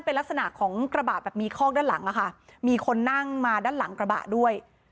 เป็นลักษณะของกระบะแบบมีคอกด้านหลังอะค่ะมีคนนั่งมาด้านหลังกระบะด้วย